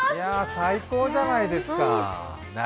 最高じゃないですか。